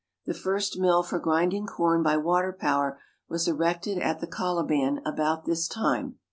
The first mill for grinding corn by water power was erected at the Coliban about this time.